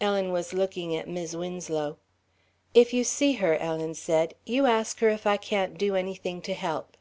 Ellen was looking at Mis' Winslow: "If you see her," Ellen said, "you ask her if I can't do anything to help."